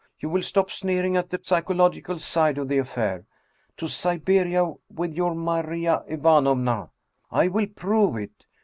You will stop sneering at the psychological side of the affair ! To Siberia with your Maria Ivanovna! I will prove it!